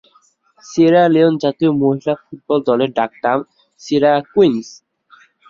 Sierra Leone জাতীয় মহিলা football দলের ডাকনাম সিয়েরা কুইন্স।